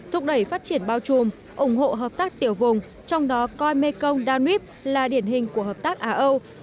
thúc đẩy phát triển bao trùm ủng hộ hợp tác tiểu vùng trong đó coi mekong downwep là điển hình của hợp tác á âu